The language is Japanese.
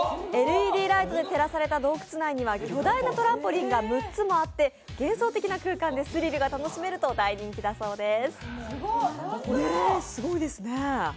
ＬＥＤライトで照らされた洞窟内には巨大なトランポリンが６つもあって幻想的な空間でスリルが楽しめると大人気だそうです。